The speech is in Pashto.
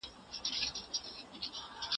ته ولي درسونه اورې؟